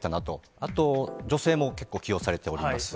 あと、女性も結構起用されております。